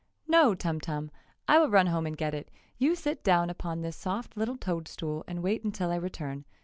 "No, Tum Tum! I will run home and get it! You sit down upon this soft little toad stool and wait until I return.